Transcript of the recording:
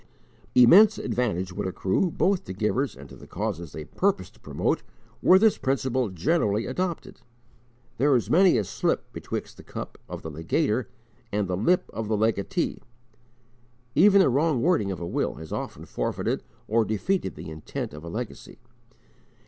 Immense advantage would accrue, both to givers and to the causes they purpose to promote, were this principle generally adopted! There is "many a slip betwixt the cup" of the legator and "the lip" of the legatee. Even a wrong wording of a will has often forfeited or defeated the intent of a legacy.